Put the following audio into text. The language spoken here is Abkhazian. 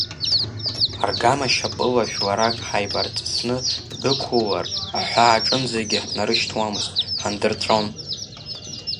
Аргама шьапыла жәларак ҳаибарҵысны ҳдәықулар, аҳәаа аҿынӡагьы ҳнарышьҭуамызт, ҳандырҵәон.